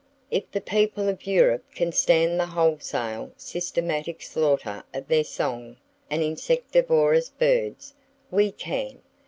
If the people of Europe can stand the wholesale, systematic slaughter of their song and insectivorous birds, we can!